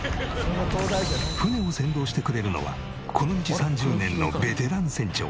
船を先導してくれるのはこの道３０年のベテラン船長。